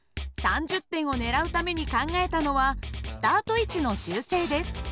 ３０点を狙うために考えたのはスタート位置の修正です。